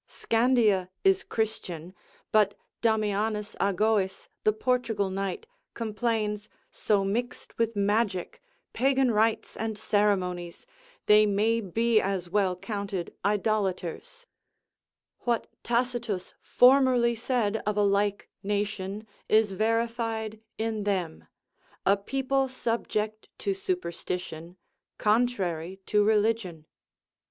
Scandia is Christian, but Damianus A Goes, the Portugal knight, complains, so mixed with magic, pagan rites and ceremonies, they may be as well counted idolaters: what Tacitus formerly said of a like nation, is verified in them, A people subject to superstition, contrary to religion.